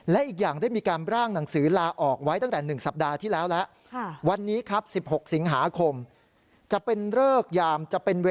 และอีกอย่างได้มีการร่างหนังสือลาออกไว้ตั้งแต่๑สัปดาห์ที่แล้วแล้ว